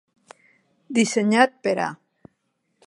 Dissenyat per A.